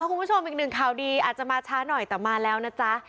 คุณผู้ชมอีกหนึ่งข่าวดีอาจจะมาช้าหน่อยแต่มาแล้วนะจ๊ะ